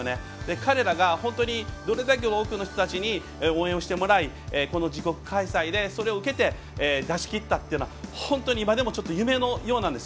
彼らが本当にどれだけ多くの人たちに応援をしてもらい自国開催でそれを受けて出しきったということが本当に今でも夢のようなんです。